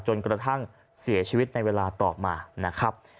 จนกระทั่งเสียชีวิตในเวลาต่อมานะครับ